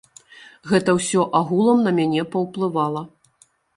Гэта ўсё агулам на мяне паўплывала.